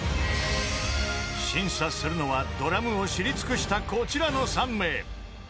［審査するのはドラムを知り尽くしたこちらの３名］